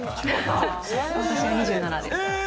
私が２７です。